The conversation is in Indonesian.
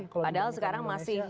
padahal sekarang masih